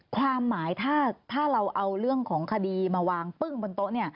ความหมายถ้าเราเอาเรื่องของคดีมาวางปึ้งบนโต๊ะ